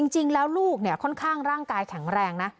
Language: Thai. จริงแล้วลูกค่อนข้างร่างกายแข็งแรงนะ